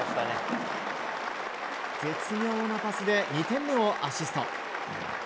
絶妙なパスで２点目をアシスト。